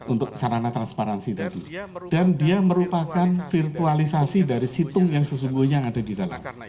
untuk sarana transparansi tadi dan dia merupakan virtualisasi dari situng yang sesungguhnya ada di dalam